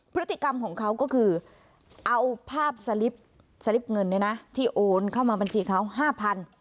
พฤติกรรมของเขาก็คือเอาภาพสลิปเงินที่โอนเข้ามาบัญชีเขา๕๐๐๐บาท